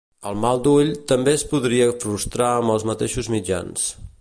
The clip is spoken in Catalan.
El "mal d'ull" també es podria frustrar amb els mateixos mitjans.